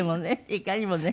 いかにもね。